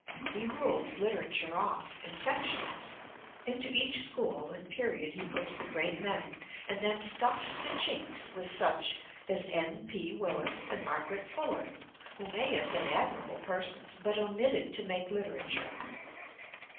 He rules literature \ off in sections; into each school and period he puts the great \ men, and then stuffs the chinks with such as N. P. Willis '. and Margaret Fuller, who may have been admirable persons ! but omitted to make Uterature.